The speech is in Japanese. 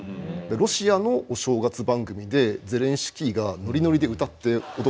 ロシアのお正月番組でゼレンスキーがノリノリで歌って踊っていて。